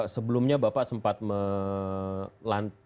sebelumnya bapak sempat melan